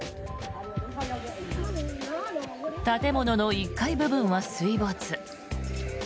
建物の１階部分は水没。